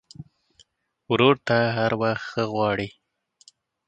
ورور ته هر وخت ښه غواړې.